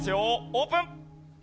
オープン。